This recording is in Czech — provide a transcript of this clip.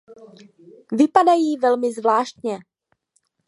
Vypadají velmi zvláštně.